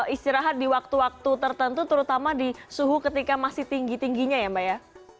istirahat di waktu waktu tertentu terutama di suhu ketika masih tinggi tingginya ya mbak ya